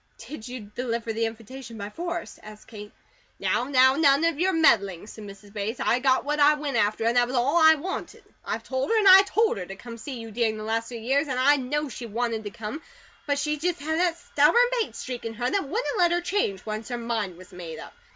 "Did you deliver the invitation by force?" asked Kate. "Now, none of your meddling," said Mrs. Bates. "I got what I went after, and that was all I wanted. I've told her an' told her to come to see you during the last three years, an' I know she WANTED to come; but she just had that stubborn Bates streak in her that wouldn't let her change, once her mind was made up.